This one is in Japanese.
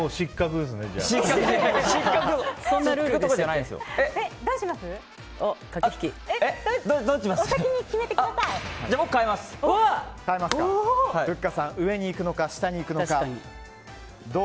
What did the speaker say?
ふっかさん上に行くのか、下に行くのか。